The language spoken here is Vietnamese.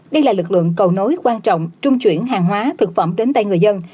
đây là lực lượng cầu nối quan trọng trung chuyển hàng hóa thực phẩm đến tay người dân